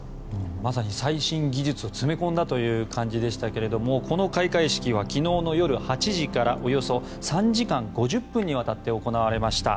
まさに最新技術を詰め込んだという感じでしたがこの開会式は昨日の夜８時から３時間５０分にわたって行われました。